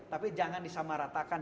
tapi jangan disamaratakan